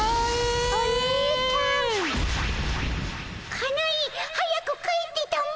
かなえ早く帰ってたも。